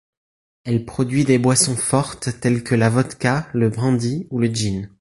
Elle produit des boissons fortes telles que la vodka, le brandy, ou le gin.